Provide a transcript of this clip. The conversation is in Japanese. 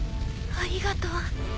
ありがとう。